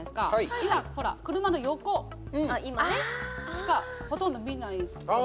今、ほら車の横しかほとんど見ない。